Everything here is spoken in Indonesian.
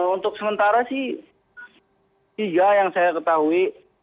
untuk sementara sih tiga yang saya ketahui